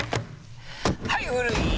はい古い！